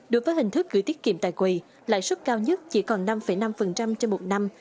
đối với hình thức gửi tiết kiệm tại quầy lãi suất cao nhất chỉ còn năm năm trên một năm